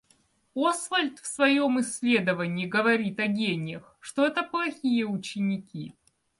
Освальд в своем исследовании говорит о гениях, что это плохие ученики.